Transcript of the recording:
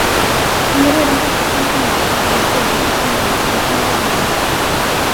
Hon var redan borta från kamraterna, som surrade och småretades med varandra.